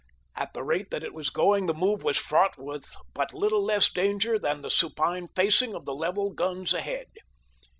At the rate that it was going the move was fraught with but little less danger than the supine facing of the leveled guns ahead.